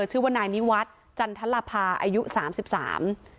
ชื่อว่านายนิวัฒน์จันทรภาอายุสามสิบสาม